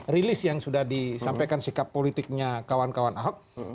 rilis yang sudah disampaikan sikap politiknya kawan kawan ahok